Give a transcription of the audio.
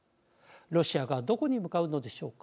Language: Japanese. ロシアがどこに向かうのでしょうか。